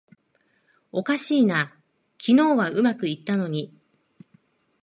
おかしいな、昨日はうまくいったのに